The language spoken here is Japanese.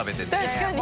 確かに。